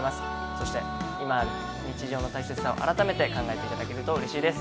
そして今ある日常の大切さを改めて考えていただけると嬉しいです。